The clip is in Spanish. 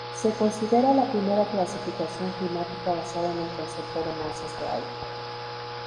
Se considera la primera clasificación climática basada en el concepto de masas de aire.